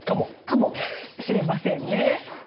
かもしれませんね。